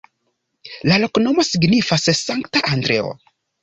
La loknomo signifas: Sankta Andreo.